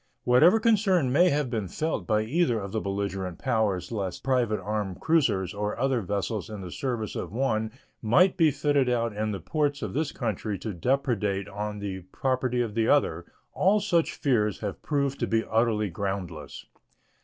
Whatever concern may have been felt by either of the belligerent powers lest private armed cruisers or other vessels in the service of one might be fitted out in the ports of this country to depredate on the property of the other, all such fears have proved to be utterly groundless.